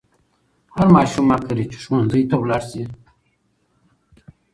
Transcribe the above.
هر ماشوم حق لري چې ښوونځي ته ولاړ شي.